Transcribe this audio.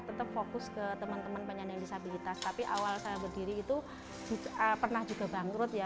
tetap fokus ke teman teman penyandang disabilitas tapi awal saya berdiri itu pernah juga bangkrut ya